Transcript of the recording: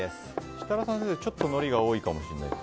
設楽さん、ちょっとのりが多いかもしれないです。